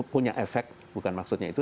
punya efek bukan maksudnya itu